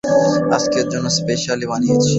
আজকের জন্য স্পেশালি বানিয়েছি।